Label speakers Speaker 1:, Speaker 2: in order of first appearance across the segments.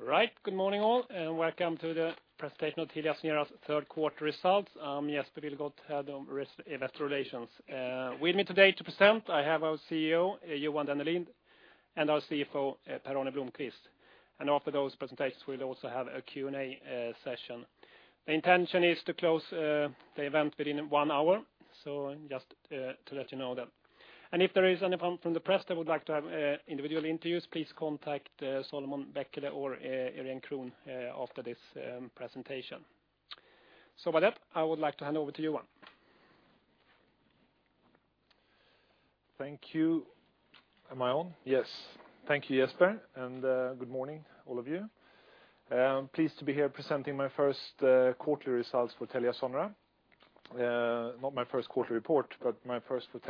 Speaker 1: All right. Good morning, all, and welcome to the presentation of TeliaSonera's third quarter results. I'm Jesper Billgren, Head of Investor Relations. With me today to present, I have our CEO, Johan Dennelind, and our CFO, Per-Arne Blomquist. After those presentations, we'll also have a Q&A session. The intention is to close the event within one hour, just to let you know that. If there is anyone from the press that would like to have individual interviews, please contact Salomon Bekele or Iréne Krohn after this presentation. With that, I would like to hand over to Johan.
Speaker 2: Thank you. Am I on? Yes. Thank you, Jesper, and good morning, all of you. Pleased to be here presenting my first quarterly results for TeliaSonera. Not my first quarterly report, but my first for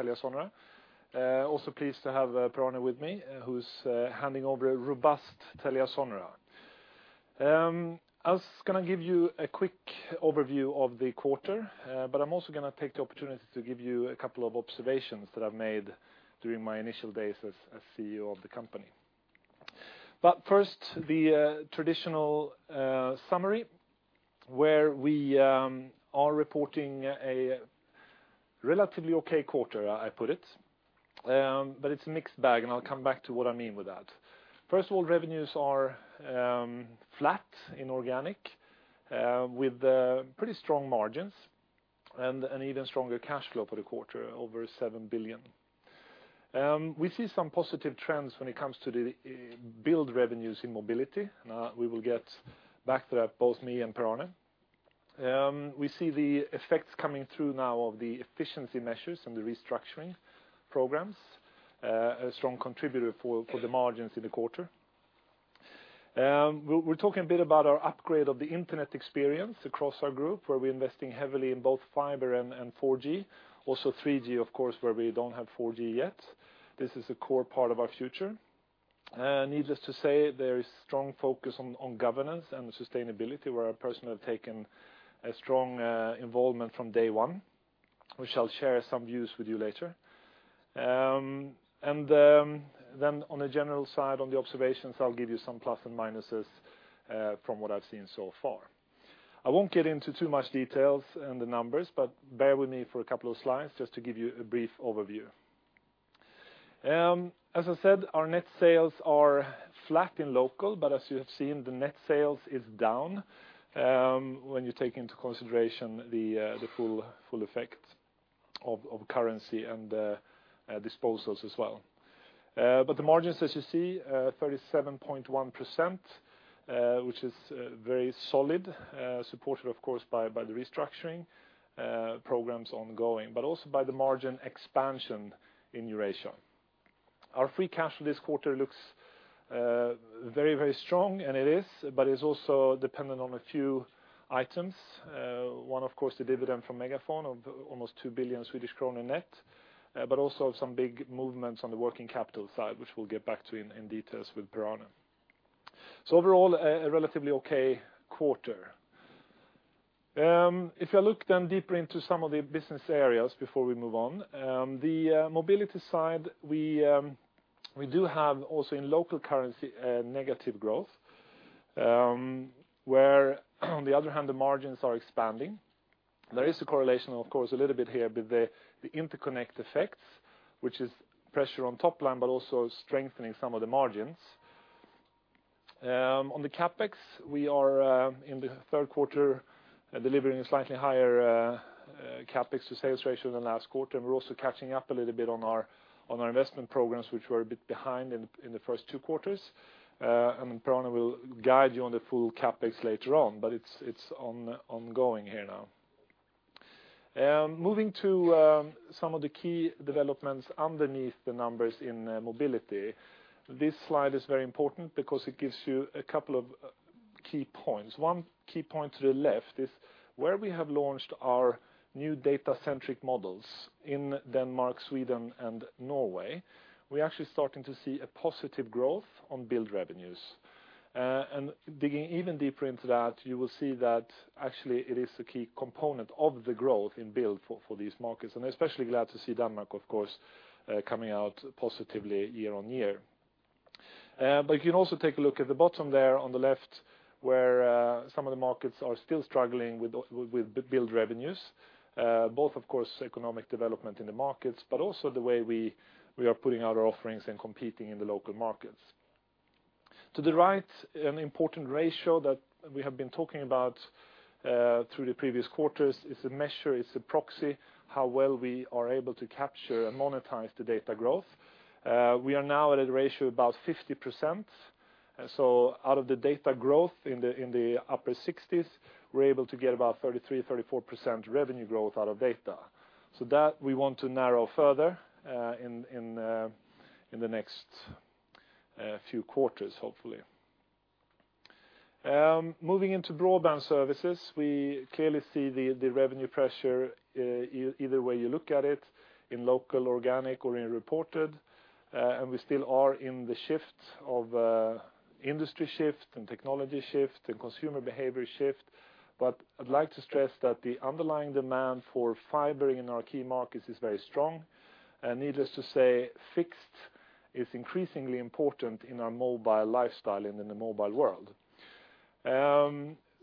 Speaker 2: TeliaSonera. Also pleased to have Per-Arne with me, who's handing over a robust TeliaSonera. I was going to give you a quick overview of the quarter, but I'm also going to take the opportunity to give you a couple of observations that I've made during my initial days as CEO of the company. But first, the traditional summary, where we are reporting a relatively okay quarter, I put it. But it's a mixed bag, and I'll come back to what I mean with that. First of all, revenues are flat in organic, with pretty strong margins and an even stronger cash flow for the quarter, over 7 billion. We see some positive trends when it comes to the build revenues in Mobility. We will get back to that, both me and Per-Arne. We see the effects coming through now of the efficiency measures and the restructuring programs, a strong contributor for the margins in the quarter. We're talking a bit about our upgrade of the internet experience across our group, where we're investing heavily in both fiber and 4G, also 3G, of course, where we don't have 4G yet. This is a core part of our future. Needless to say, there is strong focus on governance and sustainability, where I personally have taken a strong involvement from day one. We shall share some views with you later. Then on a general side, on the observations, I'll give you some plus and minuses from what I've seen so far. I won't get into too much details and the numbers, but bear with me for a couple of slides just to give you a brief overview. As I said, our net sales are flat in local, but as you have seen, the net sales is down when you take into consideration the full effect of currency and disposals as well. But the margins, as you see, 37.1%, which is very solid, supported, of course, by the restructuring programs ongoing, but also by the margin expansion in Eurasia. Our free cash flow this quarter looks very strong, and it is, but it's also dependent on a few items. One, of course, the dividend from MegaFon of almost 2 billion Swedish kronor net, but also some big movements on the working capital side, which we'll get back to in details with Per-Arne. Overall, a relatively okay quarter. If you look deeper into some of the business areas before we move on, the mobility side, we do have also in local currency, a negative growth, where on the other hand, the margins are expanding. There is a correlation, of course, a little bit here with the interconnect effects, which is pressure on top line, but also strengthening some of the margins. On the CapEx, we are in the third quarter delivering a slightly higher CapEx to sales ratio than last quarter. We're also catching up a little bit on our investment programs, which were a bit behind in the first two quarters. Per-Arne will guide you on the full CapEx later on, but it's ongoing here now. Moving to some of the key developments underneath the numbers in mobility. This slide is very important because it gives you a couple of key points. One key point to the left is where we have launched our new data-centric models in Denmark, Sweden, and Norway. We're actually starting to see a positive growth on build revenues. Digging even deeper into that, you will see that actually it is a key component of the growth in build for these markets, and especially glad to see Denmark, of course, coming out positively year-on-year. You can also take a look at the bottom there on the left, where some of the markets are still struggling with build revenues, both, of course, economic development in the markets, but also the way we are putting out our offerings and competing in the local markets. To the right, an important ratio that we have been talking about through the previous quarters is a measure, it's a proxy, how well we are able to capture and monetize the data growth. We are now at a ratio of about 50%. Out of the data growth in the upper 60s, we're able to get about 33, 34% revenue growth out of data. That we want to narrow further in the next few quarters, hopefully. Moving into broadband services, we clearly see the revenue pressure either way you look at it, in local, organic, or in reported. We still are in the shift of industry shift, and technology shift, and consumer behavior shift. I'd like to stress that the underlying demand for fiber in our key markets is very strong. Needless to say, fixed is increasingly important in our mobile lifestyle and in the mobile world.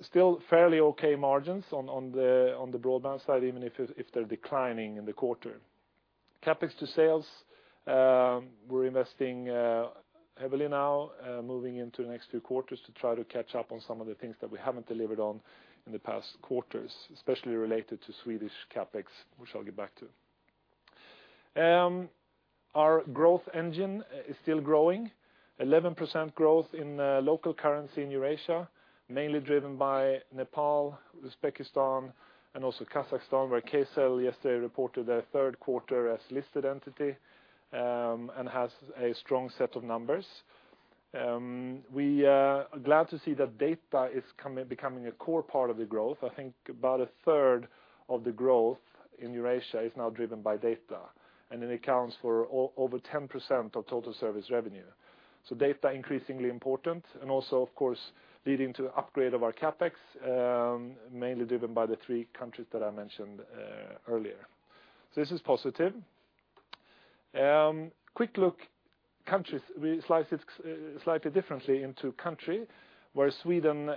Speaker 2: Still fairly okay margins on the broadband side, even if they're declining in the quarter. CapEx to sales. We're investing heavily now, moving into the next few quarters to try to catch up on some of the things that we haven't delivered on in the past quarters, especially related to Swedish CapEx, which I'll get back to. Our growth engine is still growing. 11% growth in local currency in Eurasia, mainly driven by Nepal, Uzbekistan, and also Kazakhstan, where Kcell yesterday reported their third quarter as listed entity, and has a strong set of numbers. We are glad to see that data is becoming a core part of the growth. I think about a third of the growth in Eurasia is now driven by data, and it accounts for over 10% of total service revenue. Data increasingly important, and also, of course, leading to the upgrade of our CapEx, mainly driven by the three countries that I mentioned earlier. This is positive. Quick look, countries. We slice it slightly differently into country, where Sweden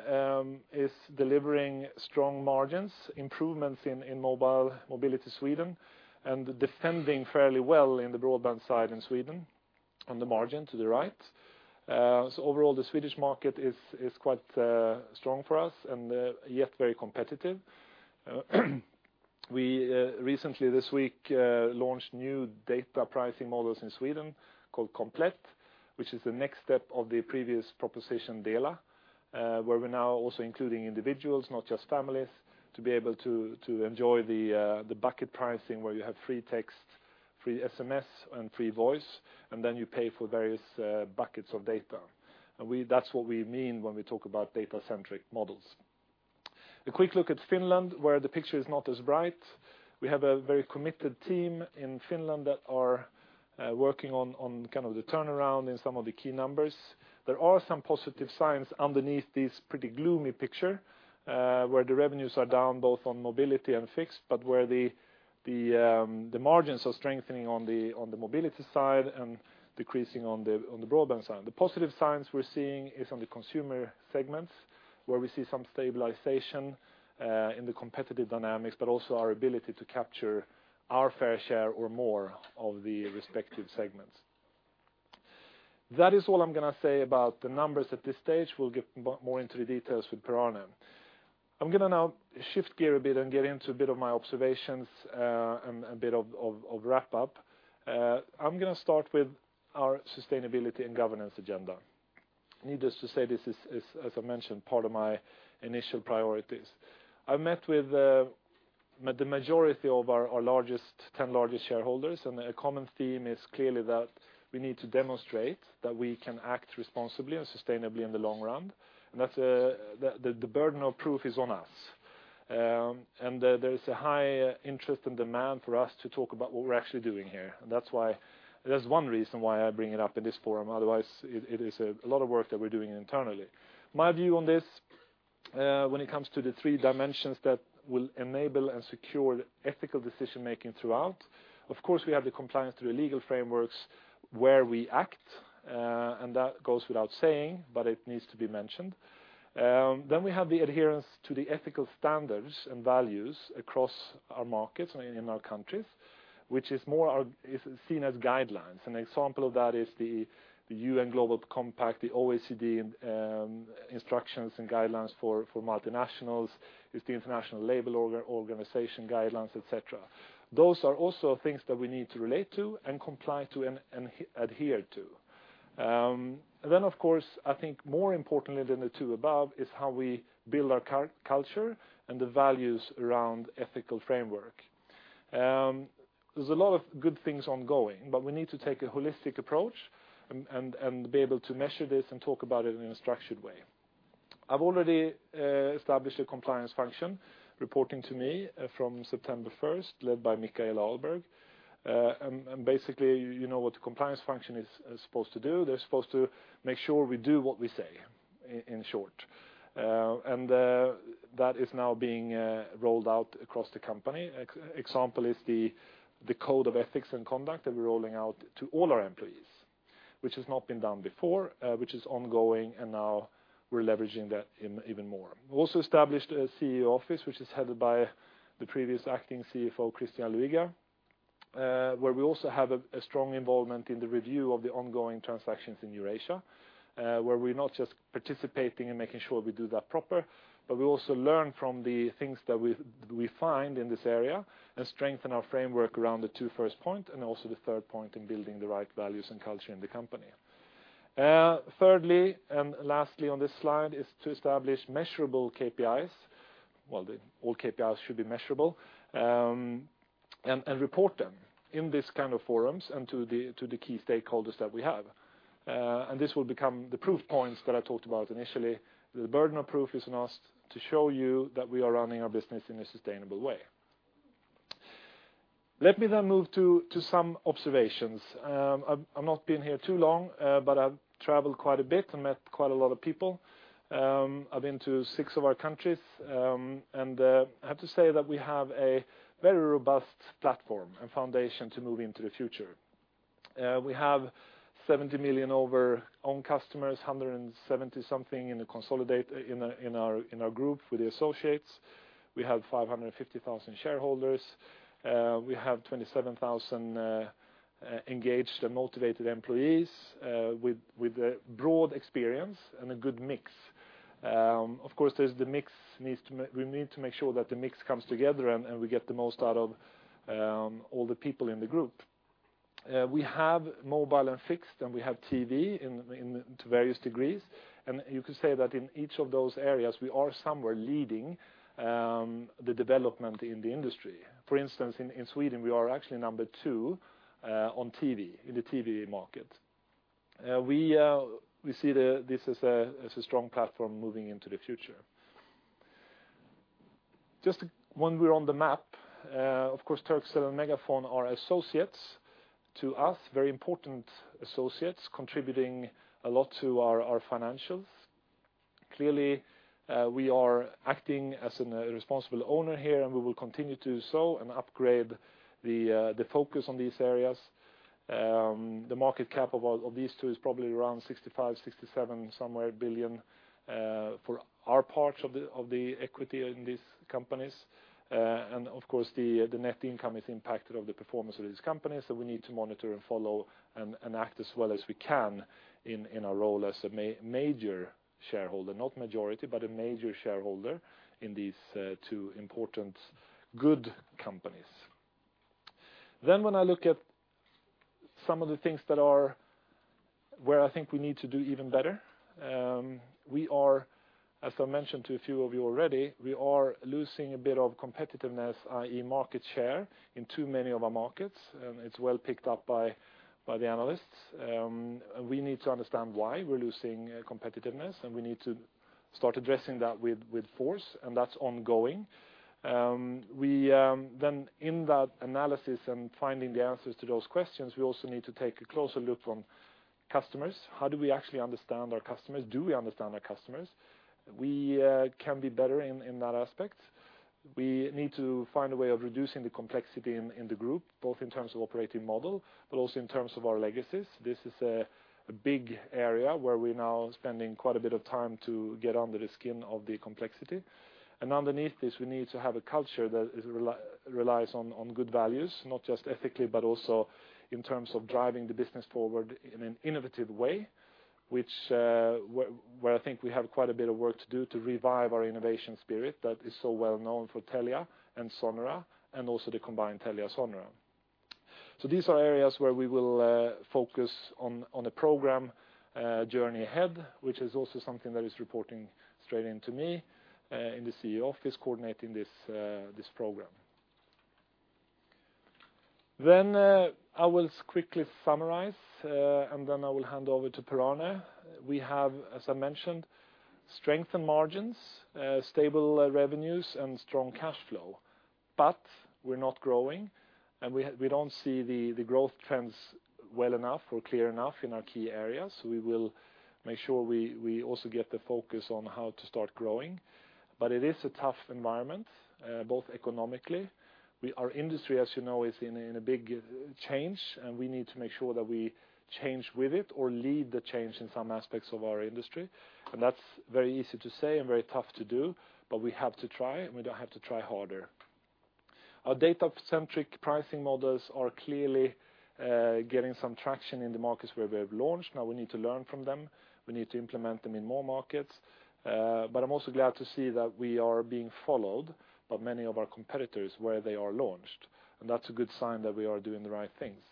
Speaker 2: is delivering strong margins, improvements in mobility Sweden, and defending fairly well in the broadband side in Sweden, on the margin to the right. Overall, the Swedish market is quite strong for us and yet very competitive. We recently this week launched new data pricing models in Sweden called Komplett, which is the next step of the previous proposition Dela, where we're now also including individuals, not just families, to be able to enjoy the bucket pricing where you have free text, free SMS, and free voice, and then you pay for various buckets of data. That's what we mean when we talk about data-centric models. A quick look at Finland, where the picture is not as bright. We have a very committed team in Finland that are working on the turnaround in some of the key numbers. There are some positive signs underneath this pretty gloomy picture, where the revenues are down both on mobility and fixed, but where the margins are strengthening on the mobility side and decreasing on the broadband side. The positive signs we're seeing is on the consumer segments, where we see some stabilization in the competitive dynamics, but also our ability to capture our fair share or more of the respective segments. That is all I'm going to say about the numbers at this stage. We'll get more into the details with Puranen. I'm going to now shift gear a bit and get into a bit of my observations, and a bit of wrap up. I'm going to start with our sustainability and governance agenda. Needless to say, this is, as I mentioned, part of my initial priorities. I've met with the majority of our 10 largest shareholders, and a common theme is clearly that we need to demonstrate that we can act responsibly and sustainably in the long run, and that the burden of proof is on us. There's a high interest and demand for us to talk about what we're actually doing here. That's one reason why I bring it up in this forum. Otherwise, it is a lot of work that we're doing internally. My view on this, when it comes to the three dimensions that will enable and secure ethical decision-making throughout, of course, we have the compliance to the legal frameworks where we act, and that goes without saying, but it needs to be mentioned. We have the adherence to the ethical standards and values across our markets and in our countries, which is more seen as guidelines. An example of that is the UN Global Compact, the OECD instructions and guidelines for multinationals, it's the international labor organization guidelines, et cetera. Those are also things that we need to relate to and comply to and adhere to. Of course, I think more importantly than the two above is how we build our culture and the values around ethical framework. There's a lot of good things ongoing, but we need to take a holistic approach, and be able to measure this and talk about it in a structured way. I've already established a compliance function reporting to me from September 1st, led by Michaela Ahlberg. Basically, you know what the compliance function is supposed to do. They're supposed to make sure we do what we say, in short. That is now being rolled out across the company. Example is the code of ethics and conduct that we're rolling out to all our employees, which has not been done before, which is ongoing, and now we're leveraging that even more. We also established a CEO office, which is headed by the previous acting CFO, Christian Luiga, where we also have a strong involvement in the review of the ongoing transactions in Eurasia, where we're not just participating and making sure we do that proper, but we also learn from the things that we find in this area and strengthen our framework around the two first point and also the third point in building the right values and culture in the company. Lastly on this slide, is to establish measurable KPIs. Well, all KPIs should be measurable, and report them in these kind of forums and to the key stakeholders that we have. This will become the proof points that I talked about initially. The burden of proof is on us to show you that we are running our business in a sustainable way. Let me move to some observations. I've not been here too long, but I've traveled quite a bit and met quite a lot of people. I've been to six of our countries. I have to say that we have a very robust platform and foundation to move into the future. We have 70 million over own customers, 170 something in our group with the associates. We have 550,000 shareholders. We have 27,000 engaged and motivated employees with a broad experience and a good mix. Of course, we need to make sure that the mix comes together and we get the most out of all the people in the group. We have mobile and fixed, and we have TV to various degrees. You could say that in each of those areas, we are somewhere leading the development in the industry. For instance, in Sweden, we are actually number 2 in the TV market. We see this as a strong platform moving into the future. Just when we're on the map, of course, Turkcell and MegaFon are associates to us, very important associates, contributing a lot to our financials. Clearly, we are acting as a responsible owner here, and we will continue to do so and upgrade the focus on these areas. The market cap of these two is probably around 65 billion, SEK 67 billion, somewhere, for our part of the equity in these companies. Of course, the net income is impacted of the performance of these companies. We need to monitor and follow and act as well as we can in our role as a major shareholder, not majority, but a major shareholder in these two important good companies. When I look at some of the things where I think we need to do even better. As I mentioned to a few of you already, we are losing a bit of competitiveness, i.e. market share in too many of our markets, and it's well picked up by the analysts. We need to understand why we're losing competitiveness, and we need to start addressing that with force, and that's ongoing. In that analysis and finding the answers to those questions, we also need to take a closer look from customers. How do we actually understand our customers? Do we understand our customers? We can be better in that aspect. We need to find a way of reducing the complexity in the group, both in terms of operating model, but also in terms of our legacies. This is a big area where we're now spending quite a bit of time to get under the skin of the complexity. Underneath this, we need to have a culture that relies on good values, not just ethically, but also in terms of driving the business forward in an innovative way, where I think we have quite a bit of work to do to revive our innovation spirit that is so well known for Telia and Sonera, and also the combined Telia and Sonera. These are areas where we will focus on the program journey ahead, which is also something that is reporting straight into me in the CEO office coordinating this program. I will quickly summarize, and then I will hand over to Per-Arne. We have, as I mentioned, strengthened margins, stable revenues, and strong cash flow. We're not growing, and we don't see the growth trends well enough or clear enough in our key areas. We will make sure we also get the focus on how to start growing. It is a tough environment both economically. Our industry, as you know, is in a big change, and we need to make sure that we change with it or lead the change in some aspects of our industry. That's very easy to say and very tough to do, but we have to try, and we have to try harder. Our data-centric pricing models are clearly getting some traction in the markets where we have launched. Now we need to learn from them. We need to implement them in more markets. I'm also glad to see that we are being followed by many of our competitors where they are launched, and that's a good sign that we are doing the right things.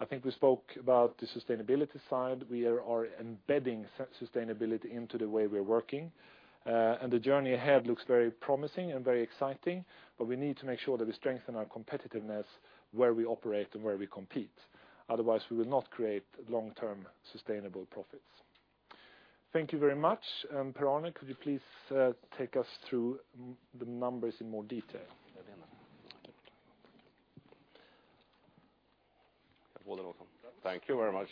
Speaker 2: I think we spoke about the sustainability side. We are embedding sustainability into the way we're working. The journey ahead looks very promising and very exciting, but we need to make sure that we strengthen our competitiveness where we operate and where we compete. Otherwise, we will not create long-term sustainable profits. Thank you very much. Per-Arne, could you please take us through the numbers in more detail?
Speaker 3: Thank you very much.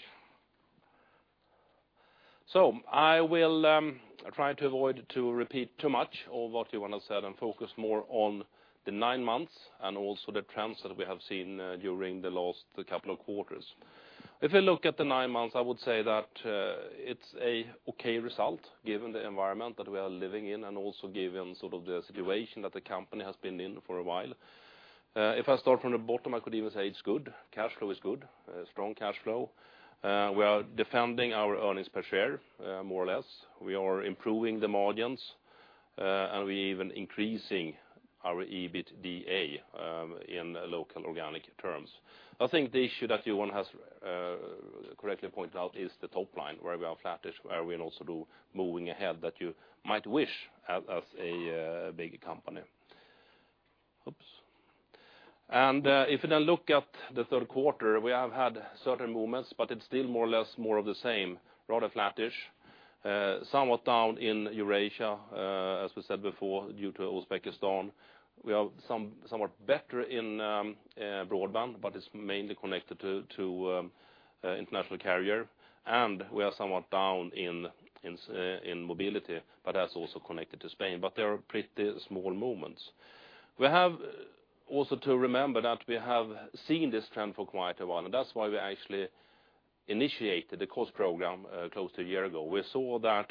Speaker 3: I will try to avoid to repeat too much of what Johan has said and focus more on the 9 months and also the trends that we have seen during the last couple of quarters. If you look at the 9 months, I would say that it's an okay result given the environment that we are living in and also given sort of the situation that the company has been in for a while. If I start from the bottom, I could even say it's good. Cash flow is good. Strong cash flow. We are defending our earnings per share, more or less. We are improving the margins, and we're even increasing our EBITDA in local organic terms. I think the issue that Johan has correctly pointed out is the top line, where we are flattish, where we're also moving ahead that you might wish as a big company. Oops. If you then look at the third quarter, we have had certain movements, but it's still more or less more of the same, rather flattish. Somewhat down in Eurasia, as we said before, due to Uzbekistan. We are somewhat better in broadband, but it's mainly connected to international carrier, and we are somewhat down in mobility, but that's also connected to Spain. But they are pretty small movements. We have also to remember that we have seen this trend for quite a while, and that's why we actually initiated the cost program close to a year ago. We saw that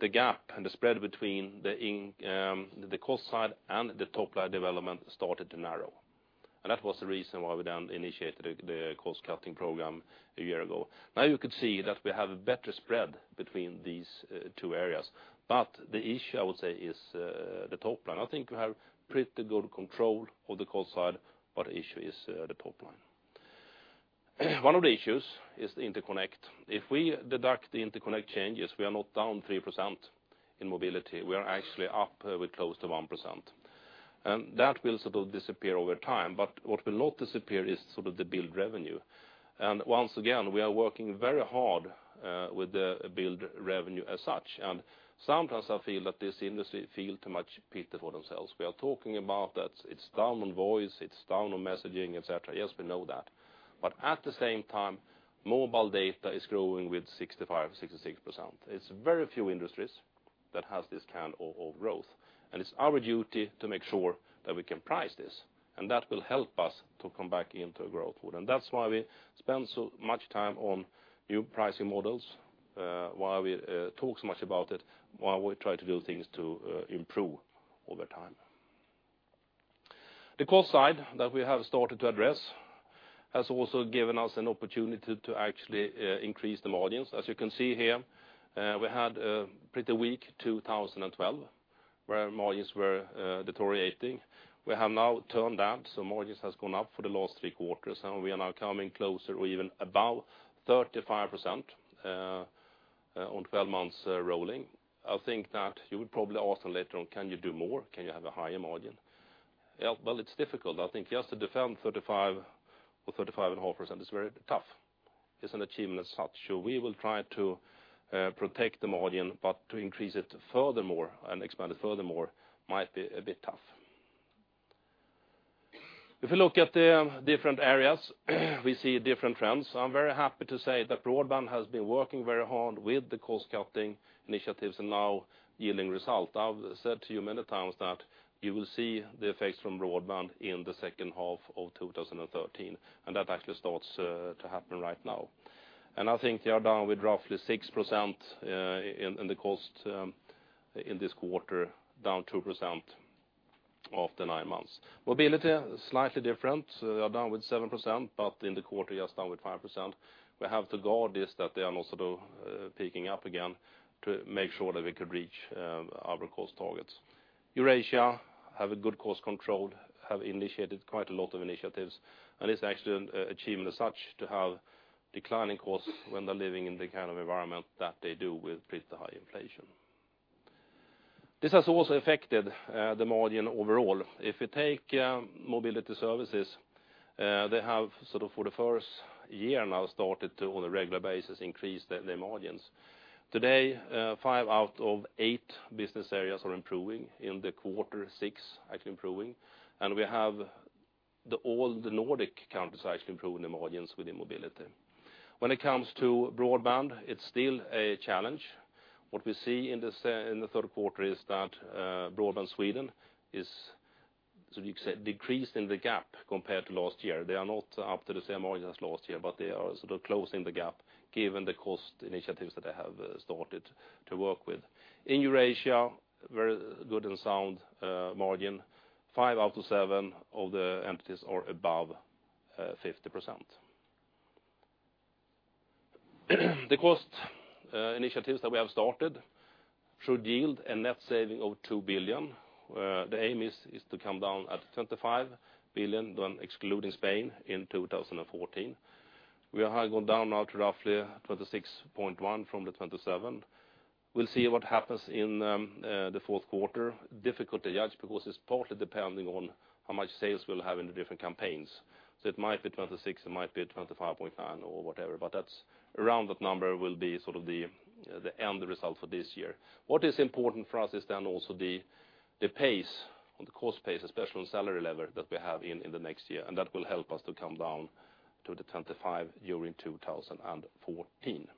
Speaker 3: the gap and the spread between the cost side and the top-line development started to narrow, and that was the reason why we then initiated the cost-cutting program a year ago. You could see that we have a better spread between these two areas, but the issue, I would say, is the top line. I think we have pretty good control of the cost side, but the issue is the top line. One of the issues is the interconnect. If we deduct the interconnect changes, we are not down 3% in mobility. We are actually up close to 1%, and that will disappear over time. What will not disappear is the billed revenue. Once again, we are working very hard with the billed revenue as such. Sometimes I feel that this industry feel too much pity for themselves. We are talking about that it's down on voice, it's down on messaging, etc. Yes, we know that. At the same time, mobile data is growing with 65%, 66%. It's very few industries that has this kind of growth, and it's our duty to make sure that we can price this, and that will help us to come back into growth. That's why we spend so much time on new pricing models, why we talk so much about it, why we try to do things to improve over time. The cost side that we have started to address has also given us an opportunity to actually increase the margins. As you can see here, we had a pretty weak 2012, where margins were deteriorating. We have now turned that, margins has gone up for the last three quarters, we are now coming closer, or even above 35% on 12 months rolling. I think that you would probably ask later on, can you do more? Can you have a higher margin? Well, it's difficult. I think just to defend 35 or 35.5% is very tough. It's an achievement as such. We will try to protect the margin, but to increase it furthermore and expand it furthermore might be a bit tough. If you look at the different areas, we see different trends. I'm very happy to say that broadband has been working very hard with the cost-cutting initiatives and now yielding result. I've said to you many times that you will see the effects from broadband in the second half of 2013, that actually starts to happen right now. I think they are down with roughly 6% in the cost in this quarter, down 2% after nine months. Mobility are slightly different. They are down with 7%, but in the quarter, just down with 5%. We have to guard this, that they are now sort of picking up again to make sure that we could reach our cost targets. Eurasia have a good cost control, have initiated quite a lot of initiatives, it's actually an achievement as such to have declining costs when they're living in the kind of environment that they do with pretty high inflation. This has also affected the margin overall. If you take mobility services, they have for the first year now started to, on a regular basis, increase their margins. Today, five out of eight business areas are improving. In the quarter, six are improving. We have all the Nordic countries actually improving their margins within mobility. When it comes to broadband, it's still a challenge. What we see in the third quarter is that broadband Sweden is decreased in the gap compared to last year. They are not up to the same margins as last year, but they are closing the gap given the cost initiatives that they have started to work with. In Eurasia, very good and sound margin. Five out of seven of the entities are above 50%. The cost initiatives that we have started should yield a net saving of 2 billion, where the aim is to come down at 25 billion, excluding Spain in 2014. We have gone down now to roughly 26.1 from the 27. We'll see what happens in the fourth quarter. Difficult to judge because it's partly depending on how much sales we'll have in the different campaigns. It might be 26, it might be 25.9 or whatever, but that's a rounded number will be the end result for this year. What is important for us is also the pace, on the cost pace, especially on salary level that we have in the next year, that will help us to come down to the 25 during 2014.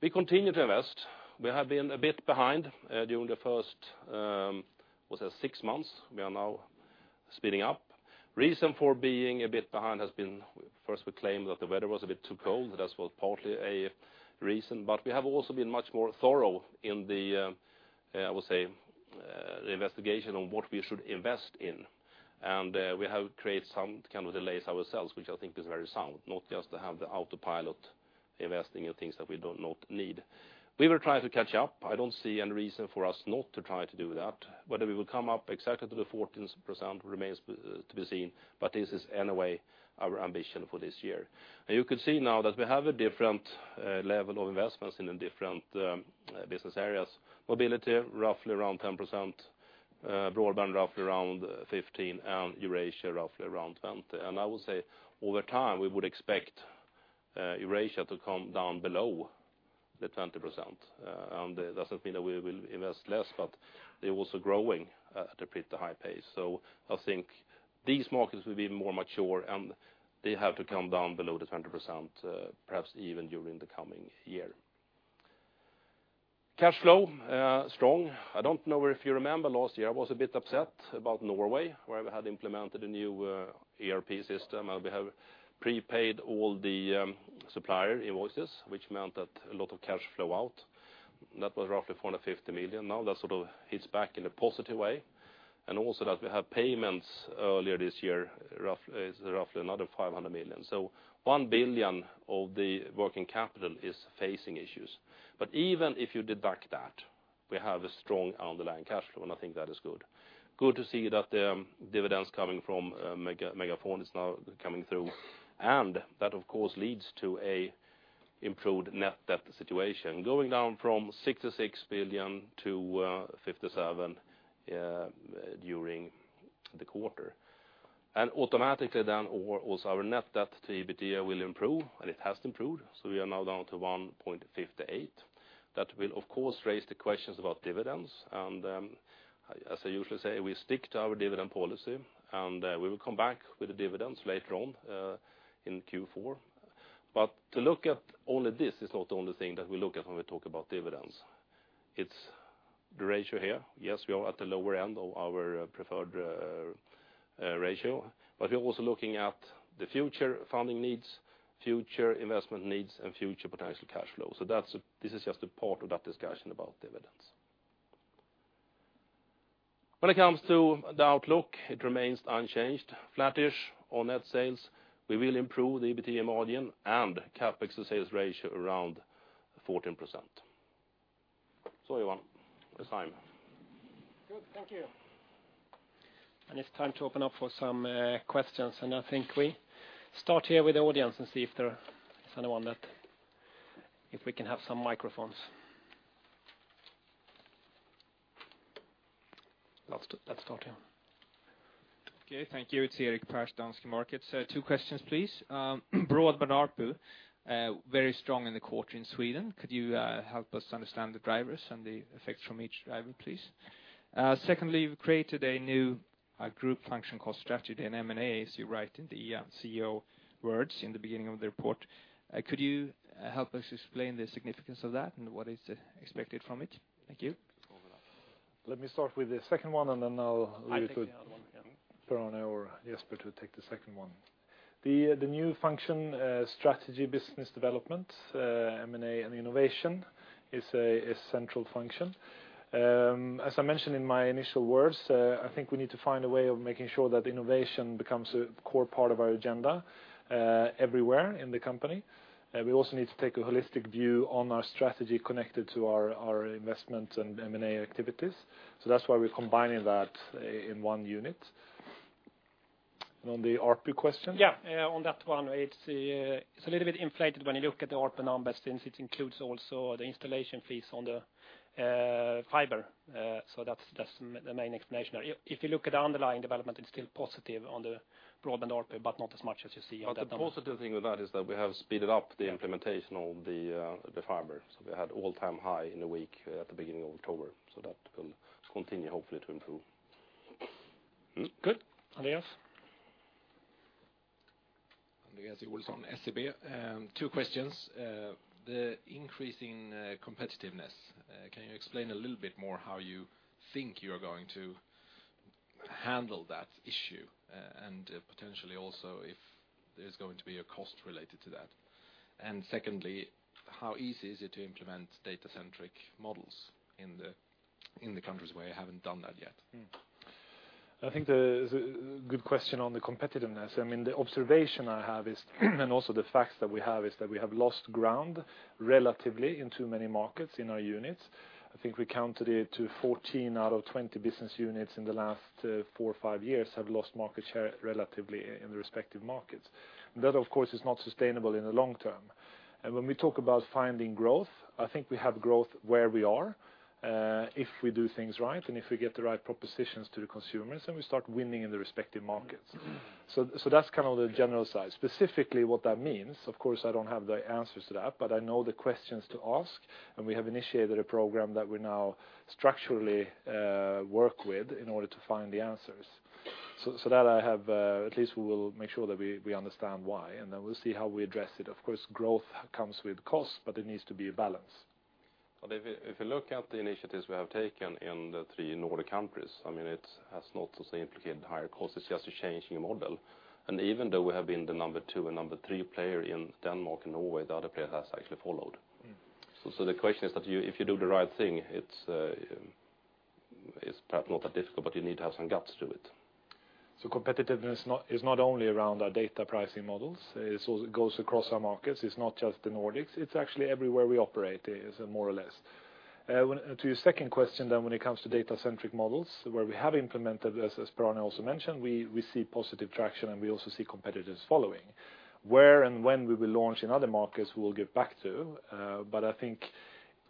Speaker 3: We continue to invest. We have been a bit behind during the first, we'll say six months. We are now speeding up. Reason for being a bit behind has been, first, we claimed that the weather was a bit too cold. That was partly a reason, but we have also been much more thorough in the, I would say, the investigation on what we should invest in, and we have created some kind of delays ourselves, which I think is very sound, not just to have the autopilot investing in things that we do not need. We will try to catch up. I don't see any reason for us not to try to do that. Whether we will come up exactly to the 14% remains to be seen, but this is anyway our ambition for this year. You can see now that we have a different level of investments in the different business areas. Mobility, roughly around 10%, broadband roughly around 15%, and Eurasia roughly around 20%. I would say over time, we would expect Eurasia to come down below the 20%, it doesn't mean that we will invest less, but they're also growing at a pretty high pace. I think these markets will be more mature, and they have to come down below the 20%, perhaps even during the coming year. Cash flow strong. I don't know if you remember last year I was a bit upset about Norway, where we had implemented a new ERP system, and we have prepaid all the supplier invoices, which meant that a lot of cash flow out. That was roughly 450 million. Now that sort of hits back in a positive way, and also that we have payments earlier this year, roughly another 500 million. 1 billion of the working capital is facing issues. Even if you deduct that, we have a strong underlying cash flow, and I think that is good. Good to see that dividends coming from MegaFon is now coming through, and that of course leads to an improved net debt situation. Going down from 66 billion to 57 billion during the quarter. Automatically then also our net debt to EBITDA will improve, and it has improved. We are now down to 1.58. That will, of course, raise the questions about dividends, and as I usually say, we stick to our dividend policy, and we will come back with the dividends later on in Q4. To look at only this is not the only thing that we look at when we talk about dividends. It's the ratio here. Yes, we are at the lower end of our preferred ratio. We're also looking at the future funding needs, future investment needs, and future potential cash flow. This is just a part of that discussion about dividends. When it comes to the outlook, it remains unchanged. Flattish on net sales. We will improve the EBITDA margin and CapEx to sales ratio around 14%. Johan, that's time.
Speaker 1: Good, thank you. It's time to open up for some questions. I think we start here with the audience and see if there is anyone. If we can have some microphones. Let's start here.
Speaker 4: Okay, thank you. It's Erik Pers, Danske Markets. Two questions, please. Broadband ARPU, very strong in the quarter in Sweden. Could you help us understand the drivers and the effects from each driver, please? Secondly, we've created a new group function called Strategy and M&A, as you write in the CEO words in the beginning of the report. Could you help us explain the significance of that and what is expected from it? Thank you.
Speaker 2: Let me start with the second one. Then I'll leave it to-
Speaker 1: I take the other one again.
Speaker 2: Per or Jesper to take the second one. The new function, strategy, business development, M&A and innovation is a central function. As I mentioned in my initial words, I think we need to find a way of making sure that innovation becomes a core part of our agenda everywhere in the company. We also need to take a holistic view on our strategy connected to our investments and M&A activities. That's why we're combining that in one unit. On the ARPU question?
Speaker 1: Yeah. On that one, it's a little bit inflated when you look at the ARPU number, since it includes also the installation fees on the fiber. That's the main explanation. If you look at the underlying development, it's still positive on the broadband ARPU, but not as much as you see on the numbers.
Speaker 3: The positive thing with that is that we have speeded up the implementation of the fiber. We had all-time high in the week at the beginning of October. That will continue, hopefully, to improve.
Speaker 1: Good. Anything else?
Speaker 5: Andreas with SEB. Two questions. The increasing competitiveness. Can you explain a little bit more how you think you're going to handle that issue? Potentially also if there's going to be a cost related to that. Secondly, how easy is it to implement data-centric models in the countries where you haven't done that yet?
Speaker 2: I think there's a good question on the competitiveness. The observation I have is, and also the facts that we have, is that we have lost ground relatively in too many markets in our units. I think we counted it to 14 out of 20 business units in the last four or five years have lost market share relatively in the respective markets. That, of course, is not sustainable in the long term. When we talk about finding growth, I think we have growth where we are. If we do things right, and if we get the right propositions to the consumers, then we start winning in the respective markets. That's the general side. Specifically what that means, of course, I don't have the answers to that, but I know the questions to ask, and we have initiated a program that we now structurally work with in order to find the answers. That I have, at least we will make sure that we understand why, and then we'll see how we address it. Of course, growth comes with cost, but it needs to be a balance.
Speaker 3: If you look at the initiatives we have taken in the three Nordic countries, it has not to say implicated higher costs. It's just a changing model. Even though we have been the number 2 and number 3 player in Denmark and Norway, the other player has actually followed. The question is that if you do the right thing, it's perhaps not that difficult, but you need to have some guts to it.
Speaker 2: Competitiveness is not only around our data pricing models. It goes across our markets. It is not just the Nordics. It is actually everywhere we operate, more or less. To your second question, when it comes to data-centric models, where we have implemented, as Per-Arne also mentioned, we see positive traction, and we also see competitors following. Where and when we will launch in other markets, we will get back to, but I think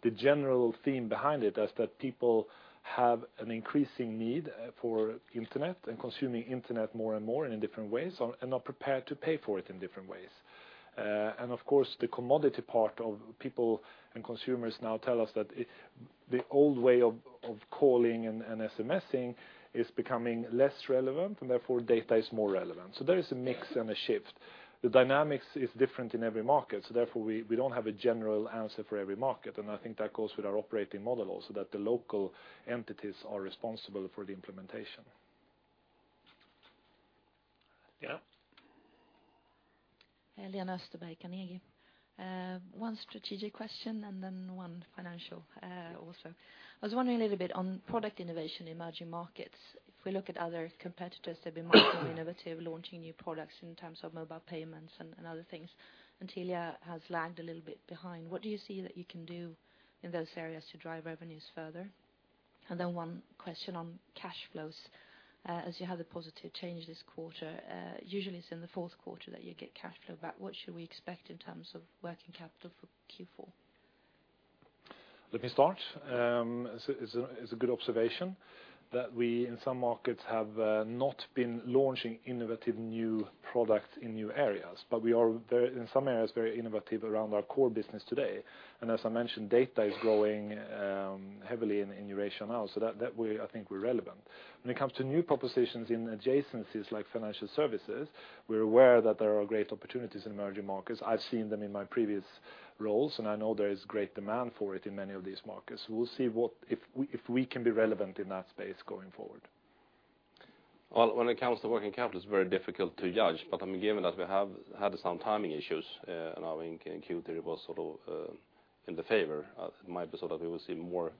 Speaker 2: the general theme behind it is that people have an increasing need for internet and consuming internet more and more and in different ways and are prepared to pay for it in different ways. Of course, the commodity part of people and consumers now tell us that the old way of calling and SMSing is becoming less relevant, and therefore data is more relevant. There is a mix and a shift. The dynamics is different in every market, therefore we don't have a general answer for every market, and I think that goes with our operating model also, that the local entities are responsible for the implementation.
Speaker 1: Yeah.
Speaker 6: Lena Österberg, Carnegie. One strategic question, then one financial also. I was wondering a little bit on product innovation in emerging markets. If we look at other competitors, they've been very innovative, launching new products in terms of mobile payments and other things, Telia has lagged a little bit behind. What do you see that you can do in those areas to drive revenues further? Then one question on cash flows. As you had the positive change this quarter, usually it's in the fourth quarter that you get cash flow back. What should we expect in terms of working capital for Q4?
Speaker 2: Let me start. It's a good observation that we, in some markets, have not been launching innovative new products in new areas. We are, in some areas, very innovative around our core business today. As I mentioned, data is growing heavily in Eurasia now, so that way, I think we're relevant. When it comes to new propositions in adjacencies like financial services, we're aware that there are great opportunities in emerging markets. I've seen them in my previous roles, I know there is great demand for it in many of these markets. We'll see if we can be relevant in that space going forward.
Speaker 3: Well, when it comes to working capital, it's very difficult to judge. Given that we have had some timing issues in our Q3, it was sort of in the favor. It might be that we will see more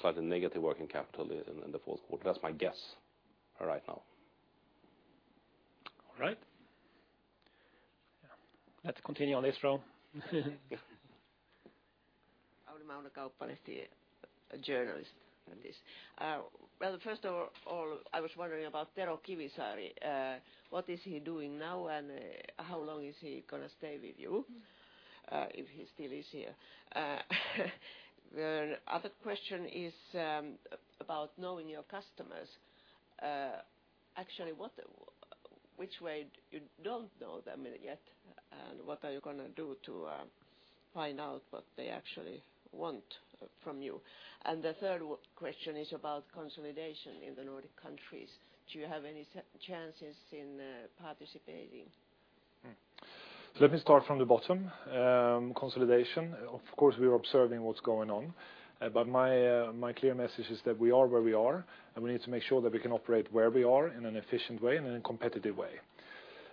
Speaker 3: slightly negative working capital in the fourth quarter. That's my guess right now.
Speaker 1: All right. Let's continue on this row.
Speaker 7: Auli Mauno, Kauppalehti, a journalist. Well, first of all, I was wondering about Tero Kivisaari. What is he doing now, and how long is he going to stay with you, if he still is here? The other question is about knowing your customers. Actually, which way you don't know them yet, and what are you going to do to find out what they actually want from you? The third question is about consolidation in the Nordic countries. Do you have any chances in participating?
Speaker 2: Let me start from the bottom. Consolidation, of course, we are observing what's going on. My clear message is that we are where we are, and we need to make sure that we can operate where we are in an efficient way and in a competitive way.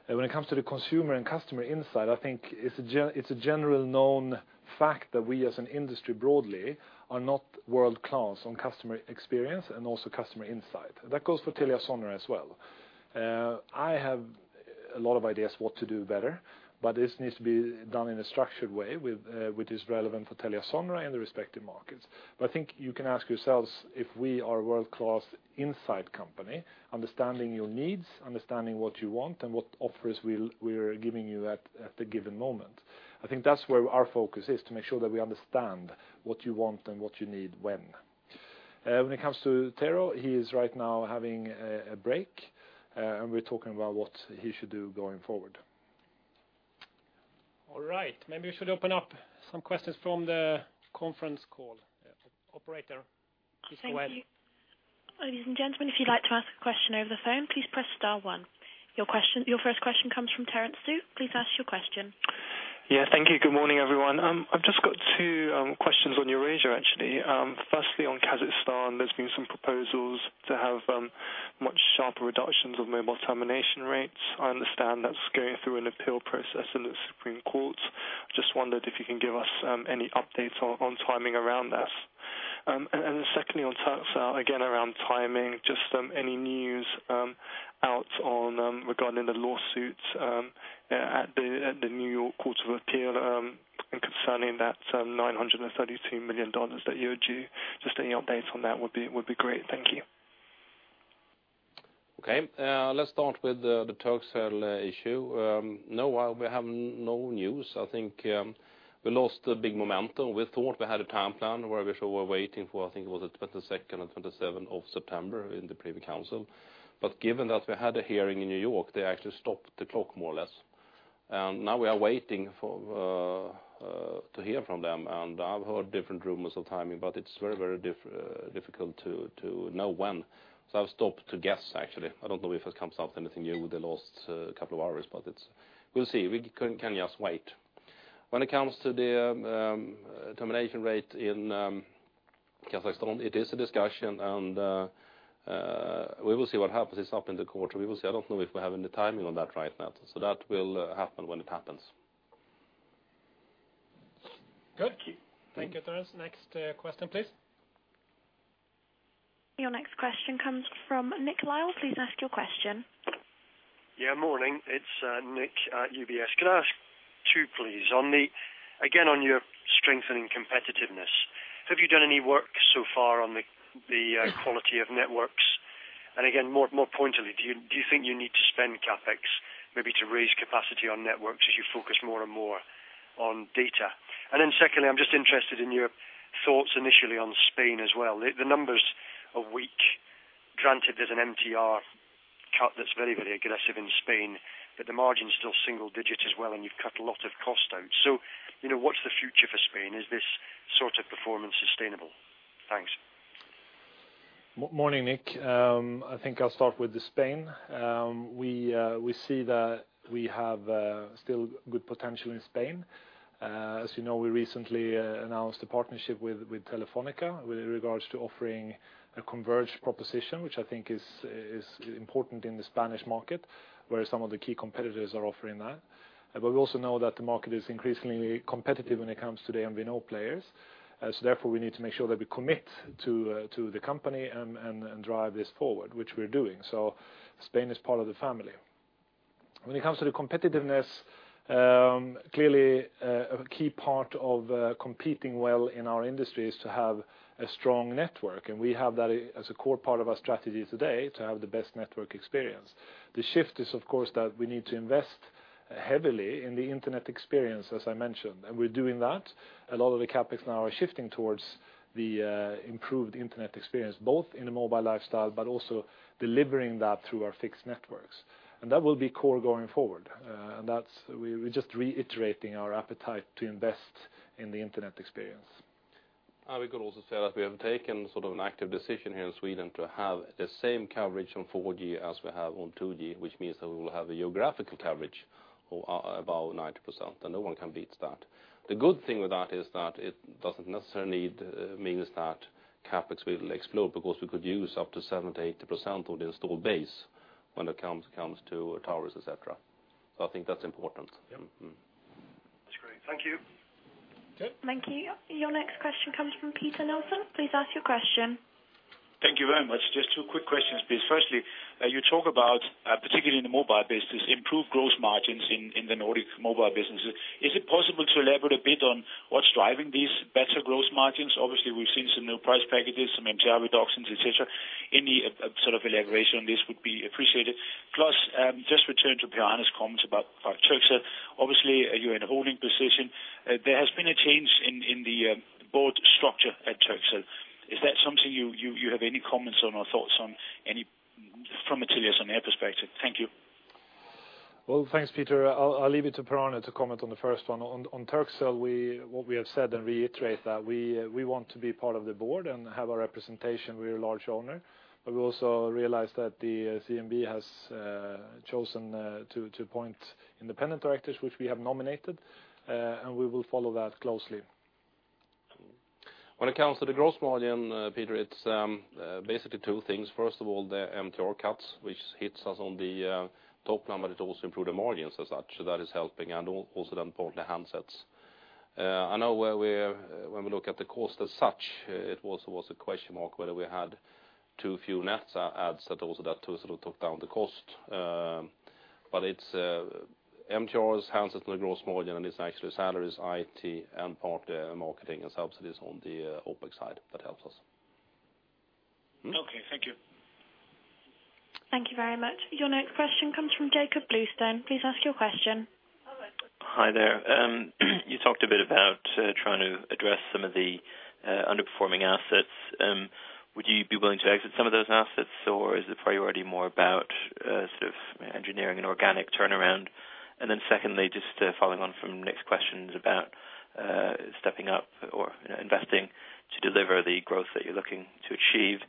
Speaker 2: When it comes to the consumer and customer insight, I think it's a general known fact that we as an industry broadly are not world-class on customer experience and also customer insight. That goes for TeliaSonera as well. I have a lot of ideas what to do better, but this needs to be done in a structured way which is relevant for TeliaSonera in the respective markets. I think you can ask yourselves if we are a world-class insight company, understanding your needs, understanding what you want, and what offers we're giving you at the given moment. I think that's where our focus is, to make sure that we understand what you want and what you need when. When it comes to Tero, he is right now having a break, and we're talking about what he should do going forward.
Speaker 1: All right. Maybe we should open up some questions from the conference call. Operator, please go ahead.
Speaker 8: Thank you. Ladies and gentlemen, if you'd like to ask a question over the phone, please press star one. Your first question comes from Terence Tsui. Please ask your question.
Speaker 9: Yeah, thank you. Good morning, everyone. I've just got two questions on Eurasia, actually. Firstly, on Kazakhstan, there's been some proposals to have much sharper reductions of mobile termination rates. I understand that's going through an appeal process in the Supreme Court. Just wondered if you can give us any updates on timing around that. Then secondly, on Turkcell, again, around timing, just any news out regarding the lawsuits at the New York Court of Appeals concerning that $932 million that you're due. Just any updates on that would be great. Thank you.
Speaker 3: Okay. Let's start with the Turkcell issue. No, we have no news. I think we lost the big momentum. We thought we had a timeline where we thought we were waiting for, I think it was the 22nd or 27th of September in the Privy Council. Given that we had a hearing in New York, they actually stopped the clock more or less. Now we are waiting to hear from them. I've heard different rumors of timing, it's very difficult to know when. I've stopped to guess, actually. I don't know if it comes up anything new the last couple of hours, we'll see. We can just wait. When it comes to the termination rate in Kazakhstan, it is a discussion, and we will see what happens. It's up in the quarter. We will see. I don't know if we have any timing on that right now. That will happen when it happens.
Speaker 9: Good. Thank you.
Speaker 1: Thank you, Terence. Next question, please.
Speaker 8: Your next question comes from Nick Lyall. Please ask your question.
Speaker 10: Morning. It's Nick at UBS. Could I ask two, please? Again, on your strengthening competitiveness, have you done any work so far on the quality of networks? Again, more pointedly, do you think you need to spend CapEx maybe to raise capacity on networks as you focus more and more on data? Secondly, I'm just interested in your thoughts initially on Spain as well. The numbers are weak. Granted, there's an MTR cut that's very aggressive in Spain, but the margin's still single-digit as well, and you've cut a lot of cost out. What's the future for Spain? Is this sort of performance sustainable? Thanks.
Speaker 2: Morning, Nick. I think I'll start with Spain. We see that we have still good potential in Spain. As you know, we recently announced a partnership with Telefónica, with regards to offering a converged proposition, which I think is important in the Spanish market, where some of the key competitors are offering that. We also know that the market is increasingly competitive when it comes to the MVNO players. Therefore, we need to make sure that we commit to the company and drive this forward, which we're doing. Spain is part of the family. When it comes to the competitiveness, clearly a key part of competing well in our industry is to have a strong network, and we have that as a core part of our strategy today to have the best network experience. The shift is, of course, that we need to invest heavily in the internet experience, as I mentioned, and we're doing that. A lot of the CapEx now are shifting towards the improved internet experience, both in the mobile lifestyle, but also delivering that through our fixed networks. That will be core going forward. We're just reiterating our appetite to invest in the internet experience.
Speaker 3: We could also say that we have taken an active decision here in Sweden to have the same coverage on 4G as we have on 2G, which means that we will have a geographical coverage of about 90%, and no one can beat that. The good thing with that is that it doesn't necessarily mean that CapEx will explode, because we could use up to 70%-80% of the installed base when it comes to towers, et cetera. I think that's important.
Speaker 2: Yeah.
Speaker 10: That's great. Thank you.
Speaker 2: Okay.
Speaker 8: Thank you. Your next question comes from Peter Nielsen. Please ask your question.
Speaker 11: Thank you very much. Just two quick questions, please. Firstly, you talk about, particularly in the mobile business, improved gross margins in the Nordic mobile businesses. Is it possible to elaborate a bit on what's driving these better gross margins? Obviously, we've seen some new price packages, some MTR reductions, et cetera. Any sort of elaboration on this would be appreciated. Plus, just return to Per-Arne's comments about Turkcell. Obviously, you're in a holding position. There has been a change in the board structure at Turkcell. Is that something you have any comments on or thoughts on from Telia's own perspective? Thank you.
Speaker 2: Thanks, Peter. I'll leave it to Per-Arne to comment on the first one. On Turkcell, what we have said, and reiterate that, we want to be part of the board and have our representation. We're a large owner. We also realize that the CMB has chosen to appoint independent directors, which we have nominated, and we will follow that closely.
Speaker 3: When it comes to the gross margin, Peter, it's basically two things. First of all, the MTR cuts, which hits us on the top line, it also improved the margins as such. That is helping, and also the important handsets. I know when we look at the cost as such, it also was a question mark whether we had too few net adds that also that too sort of took down the cost. It's MTRs, handsets and the gross margin, and it's actually salaries, IT, and part marketing and subsidies on the OpEx side that helps us.
Speaker 11: Okay, thank you.
Speaker 8: Thank you very much. Your next question comes from Jakob Bluestone. Please ask your question.
Speaker 12: Hi there. You talked a bit about trying to address some of the underperforming assets. Would you be willing to exit some of those assets, or is the priority more about sort of engineering an organic turnaround? Secondly, just following on from Nick's questions about stepping up or investing to deliver the growth that you are looking to achieve.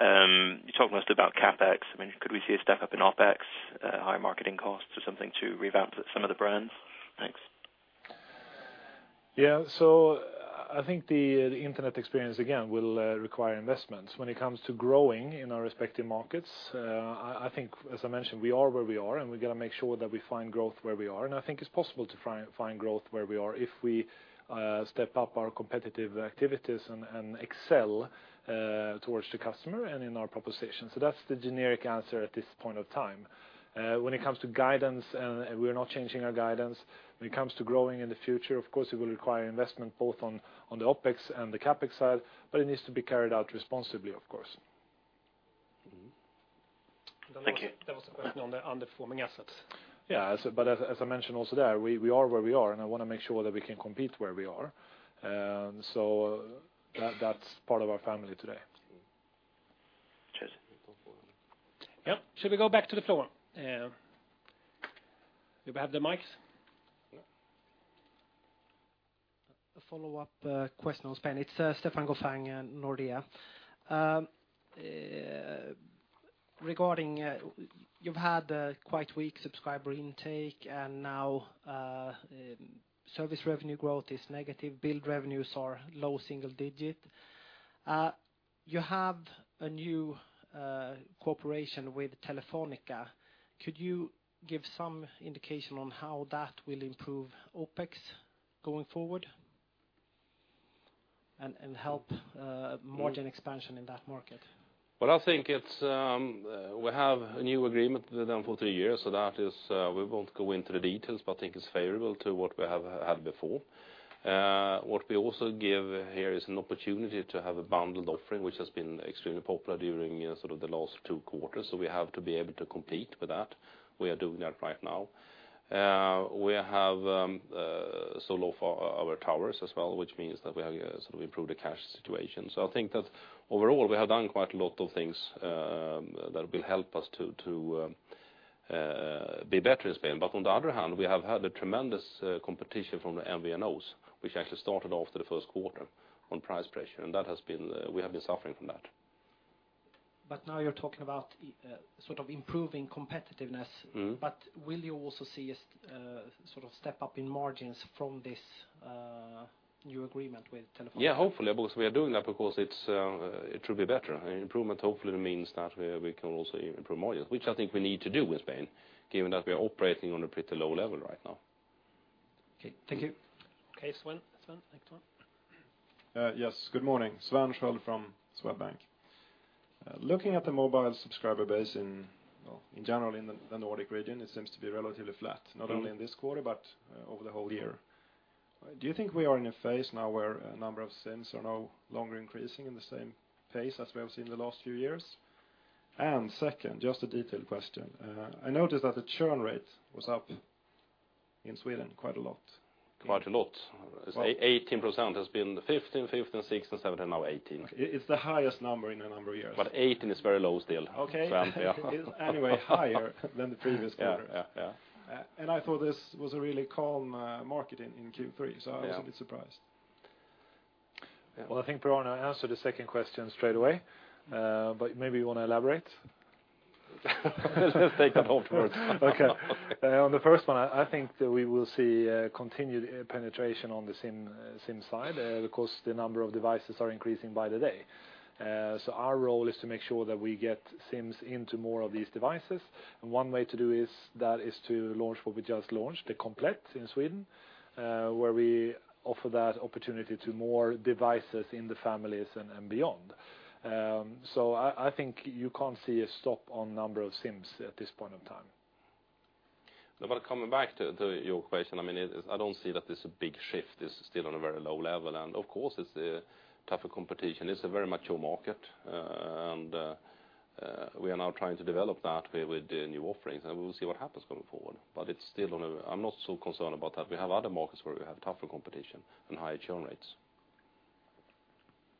Speaker 12: You talked most about CapEx. Could we see a step-up in OpEx, higher marketing costs or something to revamp some of the brands? Thanks.
Speaker 2: Yeah. I think the internet experience, again, will require investments. When it comes to growing in our respective markets, I think, as I mentioned, we are where we are, and we got to make sure that we find growth where we are. I think it is possible to find growth where we are if we step up our competitive activities and excel towards the customer and in our proposition. That is the generic answer at this point of time. When it comes to guidance, we are not changing our guidance. When it comes to growing in the future, of course, it will require investment both on the OpEx and the CapEx side, it needs to be carried out responsibly, of course.
Speaker 12: Thank you.
Speaker 2: There was a question on the underperforming assets. As I mentioned also there, we are where we are, and I want to make sure that we can compete where we are. That is part of our family today.
Speaker 12: Cheers.
Speaker 2: Should we go back to the floor? Do we have the mics?
Speaker 3: Yeah.
Speaker 13: A follow-up question on Spain. It is Stefan Gauffin, Nordea. You have had a quite weak subscriber intake, and now service revenue growth is negative. Bill revenues are low single digit. You have a new cooperation with Telefónica. Could you give some indication on how that will improve OpEx going forward and help margin expansion in that market?
Speaker 3: Well, I think we have a new agreement with them for two years, that is, we will not go into the details, I think it is favorable to what we have had before. What we also give here is an opportunity to have a bundled offering, which has been extremely popular during sort of the last two quarters. We have to be able to compete with that. We are doing that right now. We have sold off our towers as well, which means that we have sort of improved the cash situation. I think that overall, we have done quite a lot of things that will help us to Be better in Spain. On the other hand, we have had a tremendous competition from the MVNOs, which actually started after the first quarter on price pressure, and we have been suffering from that.
Speaker 13: Now you're talking about improving competitiveness. Will you also see a step up in margins from this new agreement with Telefónica?
Speaker 3: Yeah, hopefully, because we are doing that because it should be better. Improvement hopefully means that we can also improve margins, which I think we need to do with Spain, given that we are operating on a pretty low level right now.
Speaker 13: Okay. Thank you.
Speaker 1: Okay, Sven. Sven, next one.
Speaker 14: Yes, good morning. Sven Sköld from Swedbank. Looking at the mobile subscriber base and well, in general, in the Nordic region, it seems to be relatively flat, not only in this quarter, but over the whole year. Well, do you think we are in a phase now, where a number of [inaudible] are no longer increasing in the same pace as we have seen the last few years? Second, just a detailed question. I noticed that the churn rate was up in Sweden quite a lot.
Speaker 3: Quite a lot. 18% has been 15, 16, 17, now 18.
Speaker 14: It's the highest number in a number of years.
Speaker 3: 18 is very low still.
Speaker 14: Okay. It is anyway higher than the previous quarter.
Speaker 3: Yeah.
Speaker 14: I thought this was a really calm market in Q3, so I was a bit surprised.
Speaker 3: Yeah.
Speaker 2: Well, I think Per-Arne answered the second question straight away. Maybe you want to elaborate.
Speaker 3: Let's take that onwards.
Speaker 2: Okay. On the first one, I think that we will see continued penetration on the SIM side, because the number of devices are increasing by the day. Our role is to make sure that we get SIMs into more of these devices, and one way to do that is to launch what we just launched, the Komplett in Sweden, where we offer that opportunity to more devices in the families and beyond. I think you can't see a stop on number of SIMs at this point in time.
Speaker 3: Coming back to your question, I don't see that this a big shift. It's still on a very low level. Of course, it's tougher competition. It's a very mature market, and we are now trying to develop that with the new offerings. We will see what happens going forward. I'm not so concerned about that. We have other markets where we have tougher competition and higher churn rates.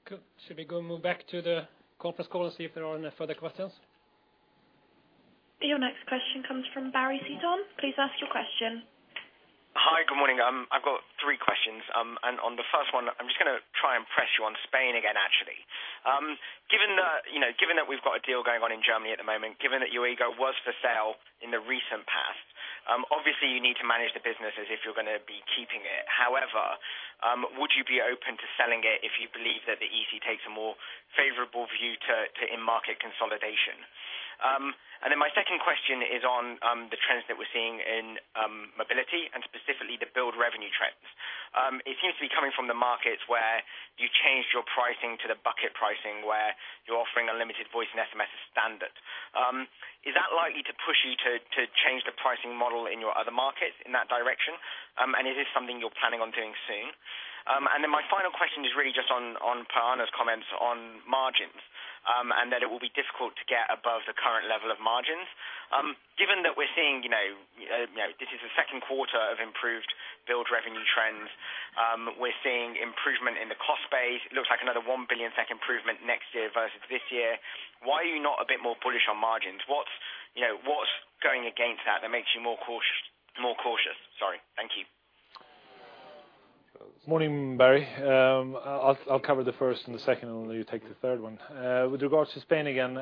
Speaker 2: Good. Should we go and move back to the conference call and see if there are any further questions?
Speaker 8: Your next question comes from Barry Zeitoune. Please ask your question.
Speaker 15: Hi, good morning. I've got three questions. On the first one, I'm just going to try and press you on Spain again, actually. Given that we've got a deal going on in Germany at the moment, given that Yoigo was for sale in the recent past, obviously you need to manage the business as if you're going to be keeping it. However, would you be open to selling it if you believe that the EC takes a more favorable view to in-market consolidation? My second question is on the trends that we're seeing in mobility, and specifically the build revenue trends. It seems to be coming from the markets where you changed your pricing to the bucket pricing, where you're offering unlimited voice and SMS as standard. Is that likely to push you to change the pricing model in your other markets in that direction? It is something you're planning on doing soon? My final question is really just on Per-Arne's comments on margins, and that it will be difficult to get above the current level of margins. Given that we're seeing, this is the second quarter of improved build revenue trends, we're seeing improvement in the cost base. It looks like another 1 billion improvement next year versus this year. Why are you not a bit more bullish on margins? What's going against that makes you more cautious? Sorry. Thank you.
Speaker 2: Morning, Barry. I'll cover the first and the second, I'll let you take the third one. With regards to Spain again,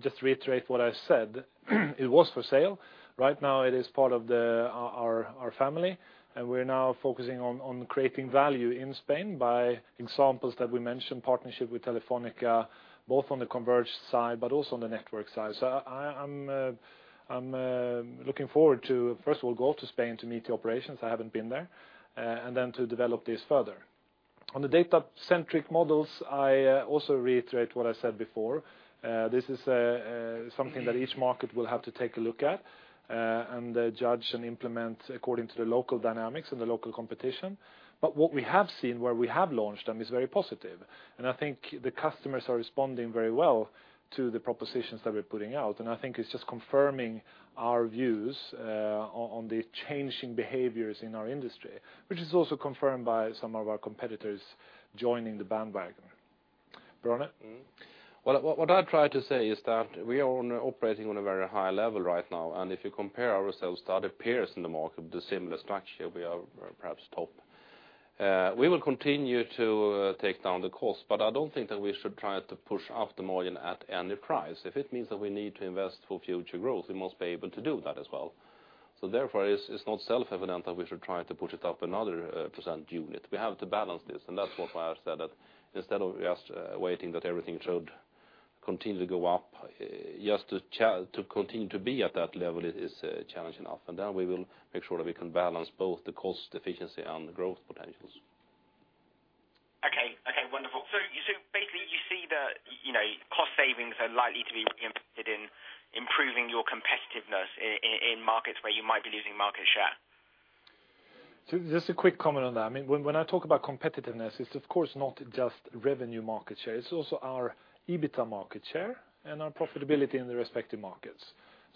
Speaker 2: just to reiterate what I said, it was for sale. Right now it is part of our family, and we're now focusing on creating value in Spain by examples that we mentioned, partnership with Telefónica, both on the converged side, but also on the network side. I'm looking forward to, first of all, go to Spain to meet the operations. I haven't been there. To develop this further. On the data-centric models, I also reiterate what I said before. This is something that each market will have to take a look at, and judge and implement according to the local dynamics and the local competition. What we have seen, where we have launched them is very positive, I think the customers are responding very well to the propositions that we're putting out. I think it's just confirming our views on the changing behaviors in our industry, which is also confirmed by some of our competitors joining the bandwagon. Per-Arne?
Speaker 3: What I've tried to say is that we are operating on a very high level right now, and if you compare ourselves to other peers in the market with a similar structure, we are perhaps top. We will continue to take down the cost, but I don't think that we should try to push up the margin at any price. If it means that we need to invest for future growth, we must be able to do that as well. Therefore, it's not self-evident that we should try to push it up another percent unit. We have to balance this, and that's what Per said, that instead of just waiting that everything should continue to go up, just to continue to be at that level is challenge enough. Then we will make sure that we can balance both the cost efficiency and the growth potentials.
Speaker 15: Okay. Wonderful. Basically you see the cost savings are likely to be invested in improving your competitiveness in markets where you might be losing market share.
Speaker 2: Just a quick comment on that. When I talk about competitiveness, it's of course not just revenue market share, it's also our EBITDA market share and our profitability in the respective markets.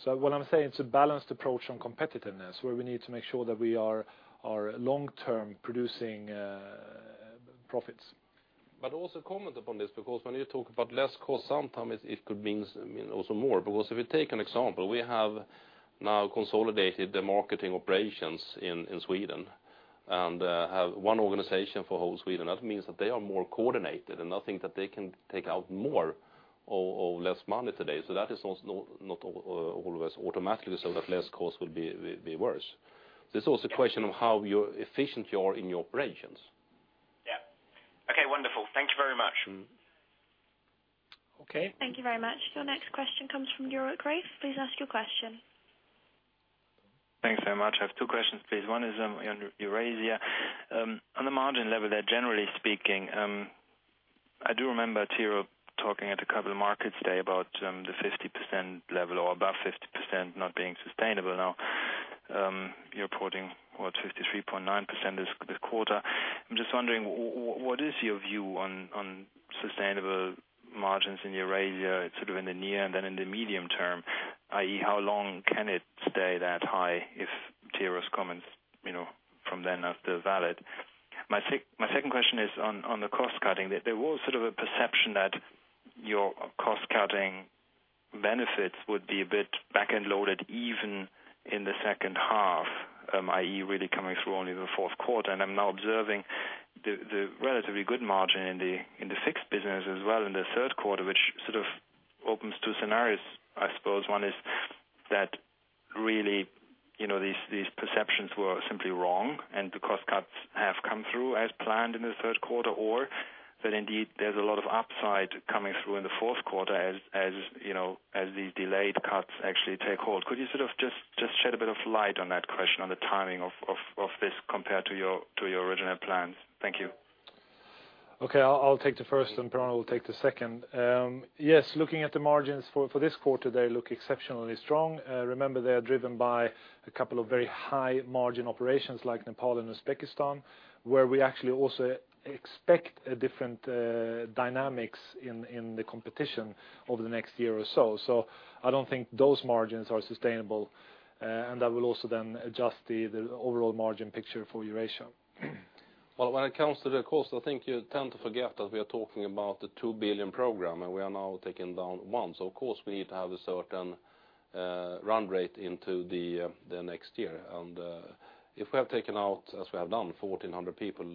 Speaker 2: What I'm saying, it's a balanced approach on competitiveness, where we need to make sure that we are long-term producing profits.
Speaker 3: Also comment upon this, when you talk about less cost, sometimes it could mean also more. If we take an example, we have now consolidated the marketing operations in Sweden and have one organization for whole Sweden. That means that they are more coordinated, and I think that they can take out more or less money today. That is also not always automatically so that less cost will be worse. This is also a question of how efficient you are in your operations.
Speaker 15: Yeah. Okay, wonderful. Thank you very much.
Speaker 3: Okay.
Speaker 8: Thank you very much. Your next question comes from Ulrich Rathe. Please ask your question.
Speaker 16: Thanks very much. I have two questions, please. One is on Eurasia. On the margin level there, generally speaking, I do remember Tero talking at a couple of markets today about the 50% level, or above 50% not being sustainable now. You're reporting, what, 53.9% this quarter. I'm just wondering, what is your view on sustainable margins in Eurasia, sort of in the near and then in the medium term, i.e., how long can it stay that high if Tero's comments from then are still valid? My second question is on the cost-cutting. There was sort of a perception that your cost-cutting benefits would be a bit back-end loaded even in the second half, i.e., really coming through only the fourth quarter. I'm now observing the relatively good margin in the fixed business as well in the third quarter, which sort of opens two scenarios. I suppose one is that really, these perceptions were simply wrong and the cost cuts have come through as planned in the third quarter, or that indeed there's a lot of upside coming through in the fourth quarter as these delayed cuts actually take hold. Could you sort of just shed a bit of light on that question, on the timing of this compared to your original plans? Thank you.
Speaker 2: Okay. I'll take the first, Per-Arne will take the second. Yes, looking at the margins for this quarter, they look exceptionally strong. Remember, they are driven by a couple of very high-margin operations like Nepal and Uzbekistan, where we actually also expect different dynamics in the competition over the next year or so. I don't think those margins are sustainable, and that will also then adjust the overall margin picture for Eurasia.
Speaker 3: Well, when it comes to the cost, I think you tend to forget that we are talking about the 2 billion program, and we are now taking down 1 billion. Of course, we need to have a certain run rate into the next year. If we have taken out, as we have done, 1,400 people,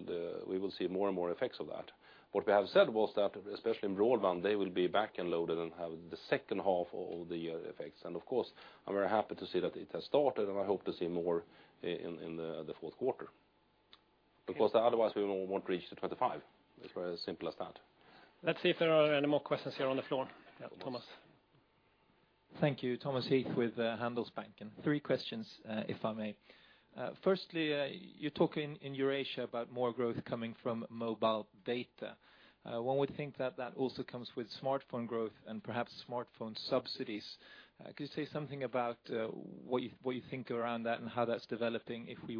Speaker 3: we will see more and more effects of that. What we have said was that, especially in broadband, they will be back and loaded and have the second half of the year effects. Of course, I'm very happy to see that it has started, and I hope to see more in the fourth quarter. Otherwise we won't reach the 2.5 billion. It's as simple as that.
Speaker 2: Let's see if there are any more questions here on the floor. Yeah, Thomas.
Speaker 17: Thank you. Thomas Heath with Handelsbanken. 3 questions, if I may. Firstly, you're talking in Eurasia about more growth coming from mobile data. One would think that that also comes with smartphone growth and perhaps smartphone subsidies. Could you say something about what you think around that and how that's developing, if we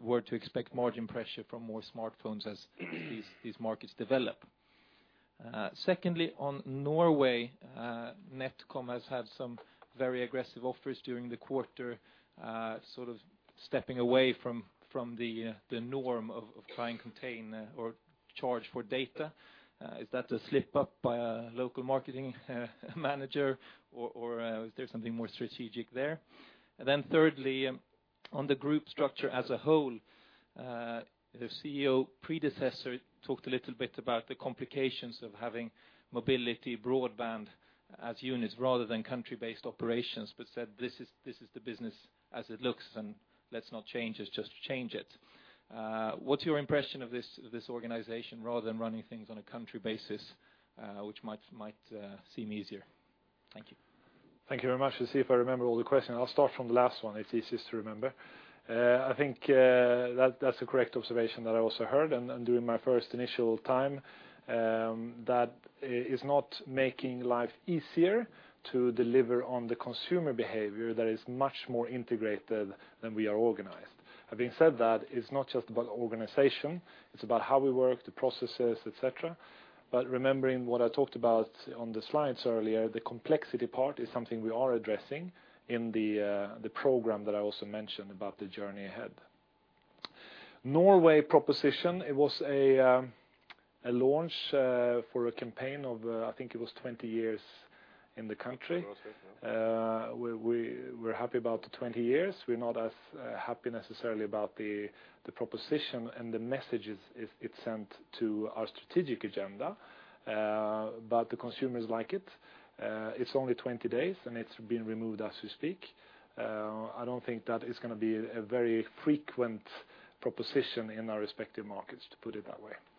Speaker 17: were to expect margin pressure from more smartphones as these markets develop? Secondly, on Norway, NetCom has had some very aggressive offers during the quarter, sort of stepping away from the norm of try and contain or charge for data. Is that a slip-up by a local marketing manager, or is there something more strategic there? Thirdly, on the group structure as a whole, the CEO predecessor talked a little bit about the complications of having mobility broadband as units rather than country-based operations, but said, "This is the business as it looks, and let's not change it just to change it." What's your impression of this organization, rather than running things on a country basis, which might seem easier? Thank you.
Speaker 2: Thank you very much. Let's see if I remember all the questions. I'll start from the last one. It's easiest to remember. I think that's the correct observation that I also heard and during my first initial time, that it's not making life easier to deliver on the consumer behavior that is much more integrated than we are organized. Having said that, it's not just about organization, it's about how we work, the processes, et cetera. Remembering what I talked about on the slides earlier, the complexity part is something we are addressing in the program that I also mentioned about the journey ahead. Norway proposition, it was a launch for a campaign of, I think it was 20 years in the country.
Speaker 3: 20, yeah.
Speaker 2: We're happy about the 20 years. We're not as happy necessarily about the proposition and the messages it sent to our strategic agenda. The consumers like it. It's only 20 days, and it's been removed as we speak. I don't think that is going to be a very frequent proposition in our respective markets, to put it that way.
Speaker 3: That was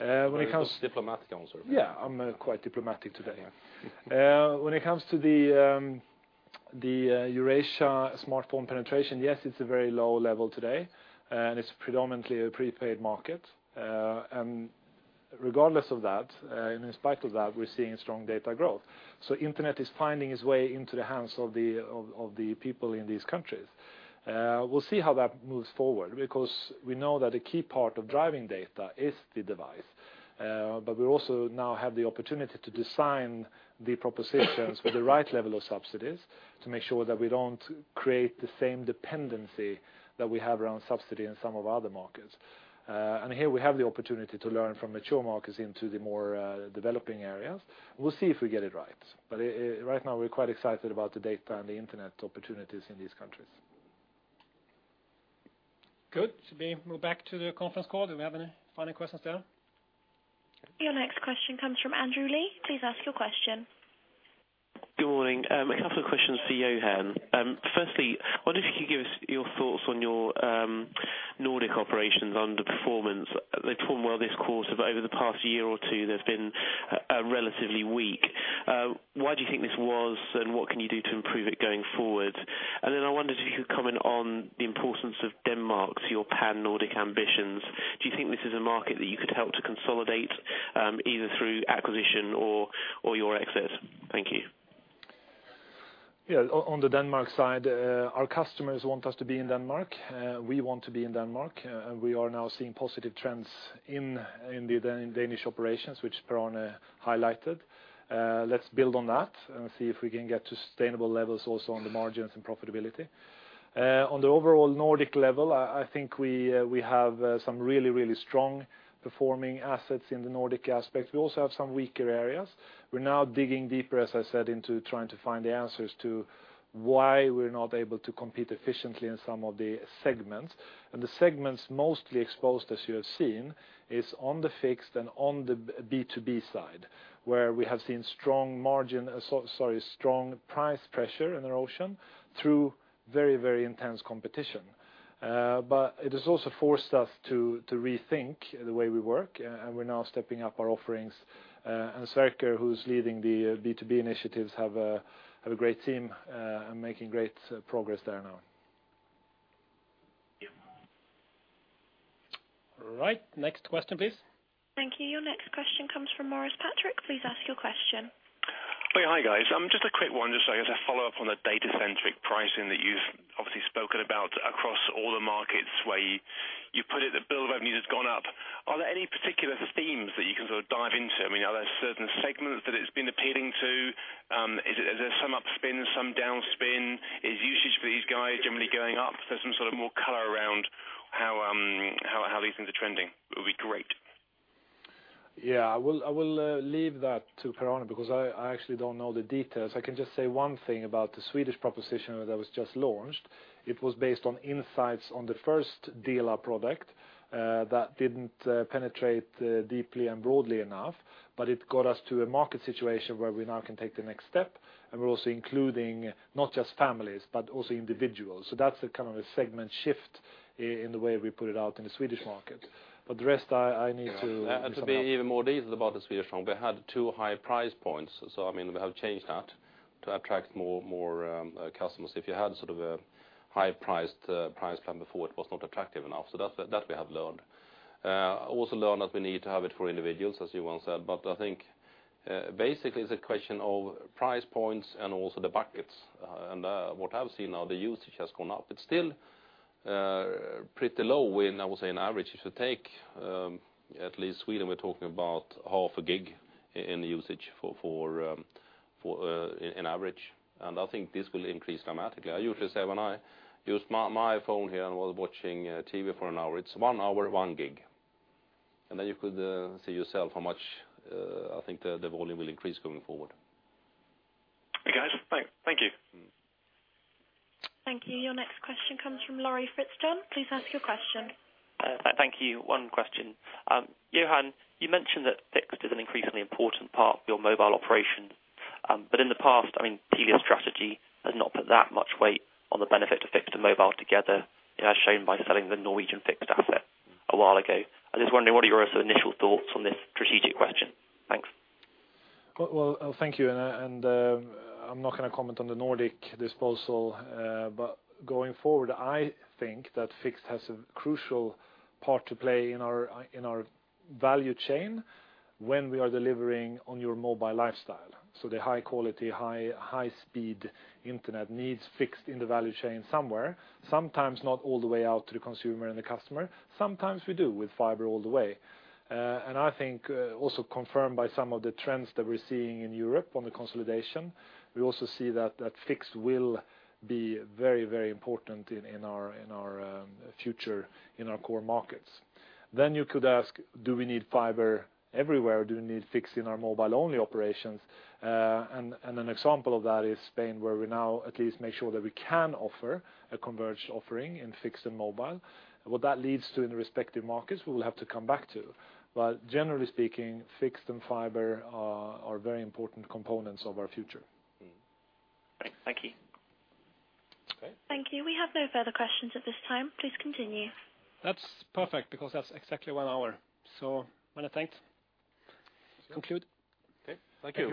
Speaker 3: a diplomatic answer.
Speaker 2: Yeah, I'm quite diplomatic today.
Speaker 3: Yeah.
Speaker 2: When it comes to the Eurasia smartphone penetration, yes, it's a very low level today, and it's predominantly a prepaid market. Regardless of that, in spite of that, we're seeing strong data growth. Internet is finding its way into the hands of the people in these countries. We'll see how that moves forward, because we know that a key part of driving data is the device. We also now have the opportunity to design the propositions with the right level of subsidies to make sure that we don't create the same dependency that we have around subsidy in some of our other markets. Here we have the opportunity to learn from mature markets into the more developing areas. We'll see if we get it right now we're quite excited about the data and the internet opportunities in these countries.
Speaker 1: Good. Should we move back to the conference call? Do we have any final questions there?
Speaker 8: Your next question comes from Andrew Lee. Please ask your question.
Speaker 18: Good morning. A couple of questions for Johan. I wonder if you could give us your thoughts on your Nordic operations underperformance. They've done well this quarter, but over the past year or two, they've been relatively weak. Why do you think this was, and what can you do to improve it going forward? I wondered if you could comment on the importance of Denmark to your pan-Nordic ambitions. Do you think this is a market that you could help to consolidate, either through acquisition or your access? Thank you.
Speaker 2: Yeah. On the Denmark side, our customers want us to be in Denmark. We want to be in Denmark. We are now seeing positive trends in Danish operations, which Per-Arne highlighted. Let's build on that and see if we can get to sustainable levels also on the margins and profitability. On the overall Nordic level, I think we have some really strong-performing assets in the Nordic aspect. We also have some weaker areas. We're now digging deeper, as I said, into trying to find the answers to why we're not able to compete efficiently in some of the segments. The segments mostly exposed, as you have seen, is on the fixed and on the B2B side, where we have seen strong price pressure and erosion through very intense competition. It has also forced us to rethink the way we work, and we're now stepping up our offerings. Sverker, who's leading the B2B initiatives, have a great team and making great progress there now.
Speaker 18: Yeah.
Speaker 3: Right. Next question, please.
Speaker 8: Thank you. Your next question comes from Maurice Patrick. Please ask your question.
Speaker 19: Hi, guys. Just a quick one, just as a follow-up on the data-centric pricing that you've obviously spoken about across all the markets, where you put it that bill revenue has gone up. Are there any particular themes that you can sort of dive into? I mean, are there certain segments that it's been appealing to? Is there some upspend, some downspend? Is usage for these guys generally going up? If there's some sort of more color around how these things are trending, it would be great.
Speaker 2: Yeah, I will leave that to Per-Arne because I actually don't know the details. I can just say one thing about the Swedish proposition that was just launched. It was based on insights on the first Dela product that didn't penetrate deeply and broadly enough, it got us to a market situation where we now can take the next step, and we're also including not just families, but also individuals. That's the kind of a segment shift in the way we put it out in the Swedish market. The rest, I need to sum up.
Speaker 3: To be even more detailed about the Swedish one, we had two high price points. I mean, we have changed that to attract more customers. If you had sort of a high-priced price plan before, it was not attractive enough. That we have learned. Also learned that we need to have it for individuals, as you well said. I think basically, it's a question of price points and also the buckets. What I've seen now, the usage has gone up. It's still pretty low when, I will say, on average, if you take at least Sweden, we're talking about half a gig in usage in average. I think this will increase dramatically. I usually say when I use my phone here and while watching TV for an hour, it's one hour, one gig. You could see yourself how much I think the volume will increase going forward.
Speaker 19: Okay, guys. Thank you.
Speaker 8: Thank you. Your next question comes from Laurie Fitzjohn. Please ask your question.
Speaker 20: Thank you. One question. Johan, you mentioned that fixed is an increasingly important part of your mobile operation. In the past, Telia's strategy has not put that much weight on the benefit of fixed and mobile together, as shown by selling the Norwegian fixed asset a while ago. I'm just wondering, what are your initial thoughts on this strategic question? Thanks.
Speaker 2: Well, thank you. I'm not going to comment on the Nordic disposal. Going forward, I think that fixed has a crucial part to play in our value chain when we are delivering on your mobile lifestyle. The high quality, high speed internet needs fixed in the value chain somewhere. Sometimes not all the way out to the consumer and the customer. Sometimes we do with fiber all the way. I think also confirmed by some of the trends that we're seeing in Europe on the consolidation. We also see that fixed will be very important in our future in our core markets. You could ask, do we need fiber everywhere? Do we need fixed in our mobile-only operations? An example of that is Spain, where we now at least make sure that we can offer a converged offering in fixed and mobile. What that leads to in the respective markets, we will have to come back to. Generally speaking, fixed and fiber are very important components of our future.
Speaker 20: Thanks. Thank you.
Speaker 1: Okay.
Speaker 8: Thank you. We have no further questions at this time. Please continue.
Speaker 1: That's perfect because that's exactly one hour. Many thanks. Conclude.
Speaker 2: Okay. Thank you.